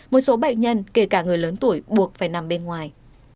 một số bệnh nhân kể cả người lớn tuổi buộc phải nằm bên ngoài